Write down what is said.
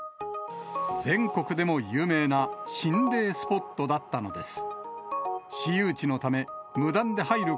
全国でも有名な心霊スポットだったのです。